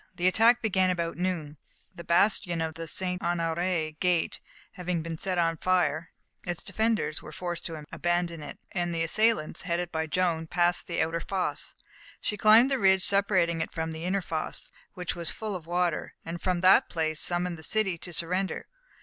The attack began about noon; the bastion of the St. Honoré gate having been set on fire, its defenders were forced to abandon it, and the assailants, headed by Joan, passed the outer fosse. She climbed the ridge separating it from the inner fosse, which was full of water, and from that place summoned the city to surrender.